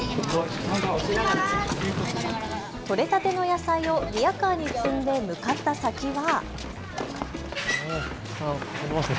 取れたての野菜をリヤカーに積んで向かった先は。